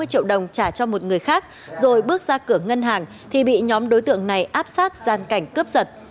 chị giang trả cho một người khác rồi bước ra cửa ngân hàng thì bị nhóm đối tượng này áp sát gian cảnh cướp giật